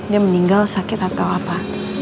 dia meninggal sakit atau apa